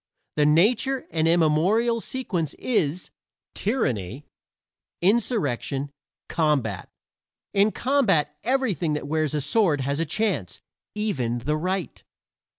The natural and immemorial sequence is: tyranny, insurrection, combat. In combat everything that wears a sword has a chance even the right.